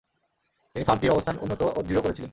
তিনি ফার্মটির অবস্থান উন্নত ও দৃঢ় করেছিলেন।